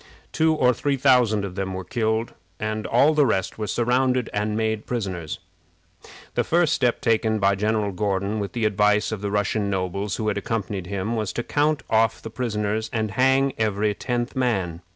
Two or three thousand of them were killed, and all the rest were surrounded and made prisoners. The first step taken by General Gordon, with the advice of the Russian nobles who had accompanied him, was to count off the prisoners and hang every tenth man.